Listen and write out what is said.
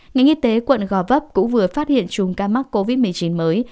nghị nghi tế quận gò vấp cũng vừa phát hiện chùm ca mắc covid một mươi chín mới